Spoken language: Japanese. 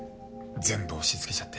全部押し付けちゃって。